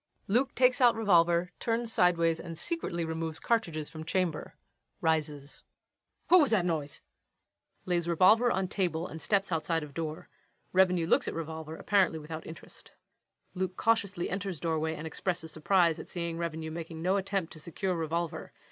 LUKE. [Takes out revolver, turns sidewise and secretly removes cartridges from chamber. Rises.] What wuz that noise? [Lays revolver on table and steps outside of door. REVENUE looks at revolver, apparently without interest. [LUKE cautiously enters doorway and expresses surprise at seeing REVENUE _making no attempt to secure revolver.